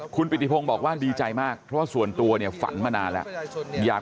คุณปิติพงศ์บอกว่าดีใจมากเพราะว่าส่วนตัวเนี่ยฝันมานานแล้วอยาก